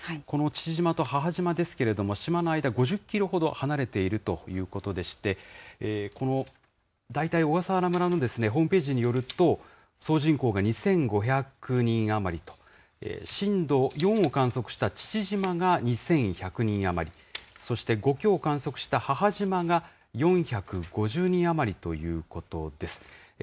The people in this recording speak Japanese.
この父島と母島ですけれども、島の間５０キロほど離れているということでして、大体小笠原村のホームページによると、総人口が２５００人余りと、震度４を観測した父島が２１００人余り、そして５強を観測した母島が４５０人余りということです。